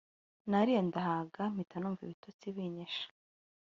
Nariye ndahaga mpita numva ibitotsi binyishe